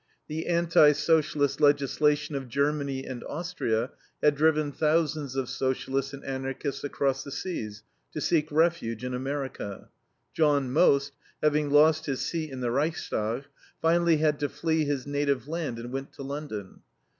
The anti Socialist legislation of Germany and Austria had driven thousands of Socialists and Anarchists across the seas to seek refuge in America. John Most, having lost his seat in the Reichstag, finally had to flee his native land, and went to London.